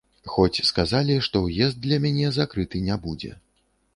Хоць сказалі, што ўезд для мяне закрыты не будзе.